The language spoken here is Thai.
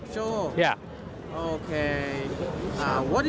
โชว์โก้ค่ะโอเค